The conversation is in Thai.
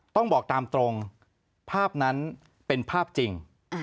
ต้องบอกตามตรงภาพนั้นเป็นภาพจริง